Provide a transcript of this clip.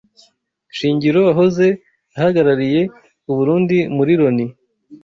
Shingiro wahoze ahagarariye u Burundi muri Loni